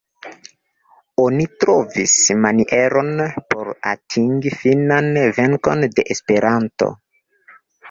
Oni trovis manieron por atingi finan venkon de Esperanto!